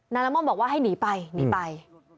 ละม่อมบอกว่าให้หนีไปหนีไป